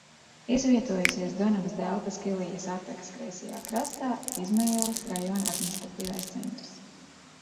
Izvietojusies Donavas deltas Kilijas attekas kreisajā krastā, Izmajilas rajona administratīvais centrs.